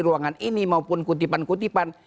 ruangan ini maupun kutipan kutipan